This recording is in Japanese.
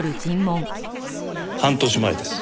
半年前です。